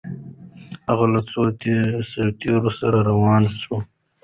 هغه له څو سرتیرو سره روان سو؟